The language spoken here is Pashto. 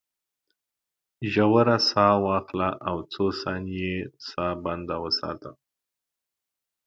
ژوره ساه واخله او څو ثانیې ساه بنده وساته.